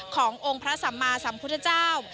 ขององค์พระสัมมาสัมพุทธเจ้า